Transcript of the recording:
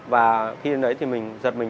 và khi đến đấy thì mình giật mình